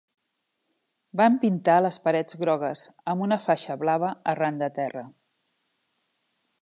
Van pintar les parets grogues, amb una faixa blava arran de terra.